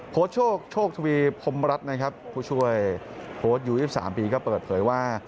โชคโชคทวีพรมรัฐนะครับผู้ช่วยโพสต์ยู๒๓ปีก็เปิดเผยว่า